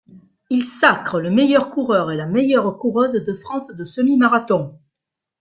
Ils sacrent le meilleur coureur et la meilleure coureuse de France de semi-marathon.